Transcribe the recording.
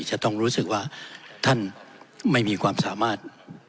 จะต้องรู้สึกว่าท่านไม่มีความสามารถ